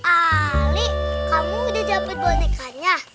alah ali kamu udah dapet bonekanya